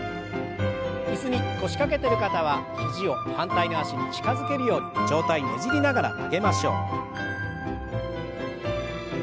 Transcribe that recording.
椅子に腰掛けてる方は肘を反対の脚に近づけるように上体ねじりながら曲げましょう。